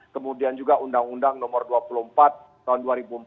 kemudian juga undang undang nomor dua puluh empat tahun dua ribu empat belas